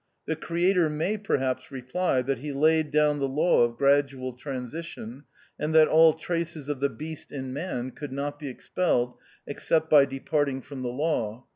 The Creator may, perhaps, reply, that he laid down the law of gradual transition, and that all traces of the beast in man could not be expelled except by departing from the law.